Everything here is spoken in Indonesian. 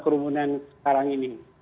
kerumunan sekarang ini